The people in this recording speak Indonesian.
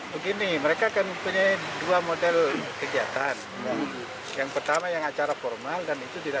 begini mereka akan punya dua model kegiatan yang pertama yang acara formal dan itu tidak